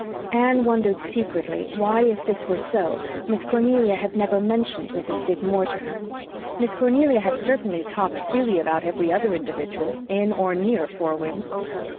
Anne wondered secretly why, if this were so, Miss Cornelia had never mentioned Mrs. Dick Moore to her. Miss Cornelia had certainly talked freely about every other individual in or near Four Winds.